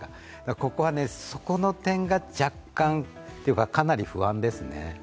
ここはそこの点が若干というか、かなり不安ですね。